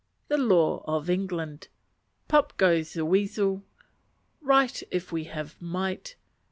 The Law of England. "Pop goes the Weasel." Right if we have Might.